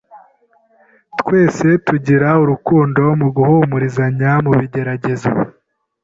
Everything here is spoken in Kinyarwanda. ”Twese tugire urukundo mu guhumurizanya mu bigeragezo.”